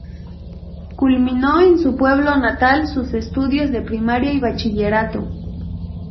Culminó en su pueblo natal sus estudios de primaria y bachillerato.